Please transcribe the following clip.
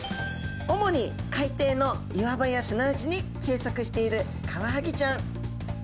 主に海底の岩場や砂地に生息しているカワハギちゃん。